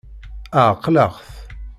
Ɛeqleɣ-t.